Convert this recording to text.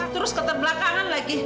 terus keterbelakangan lagi